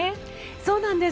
そうなんです。